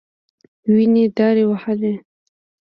وينې دارې وهلې.